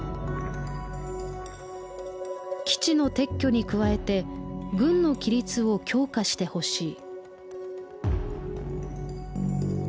「基地の撤去に加えて軍の規律を強化してほしい」。